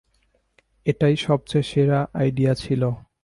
এটাই সবচে সেরা আইডিয়া ছিল।